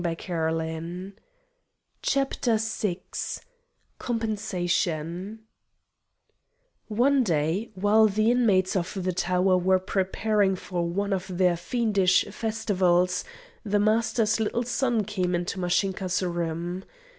CHAPTER VI Compensation One day, while the inmates of the tower were preparing for one of their fiendish festivals, the Master's little son came into Mashinka's room.